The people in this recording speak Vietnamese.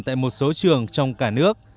tại một số trường trong cả nước